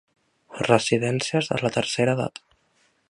Residències de la tercera edat.